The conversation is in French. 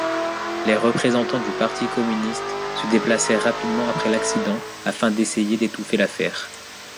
Les représentants du Parti communiste se déplacèrent rapidement après l'accident afin d'essayer d'étouffer l'affaire.